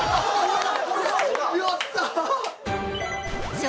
やった！